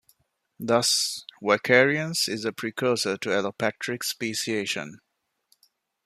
Thus vicariance is a precursor to allopatric speciation.